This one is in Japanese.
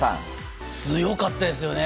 強かったですよね。